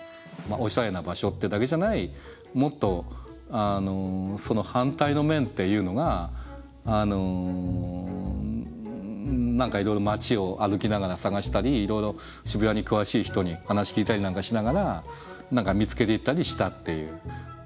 おしゃれな場所ってだけじゃないもっとその反対の面っていうのが何かいろいろ街を歩きながら探したりいろいろ渋谷に詳しい人に話聞いたりなんかしながら何か見つけていったりしたっていう。